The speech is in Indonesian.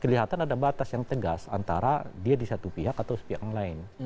kelihatan ada batas yang tegas antara dia di satu pihak atau pihak yang lain